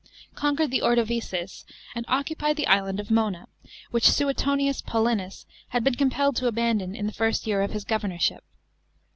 conquered the Ordovices and occupied the island of Mona, which Suetonius Paulinus had been compelled to abandon, in the first year of his governorship.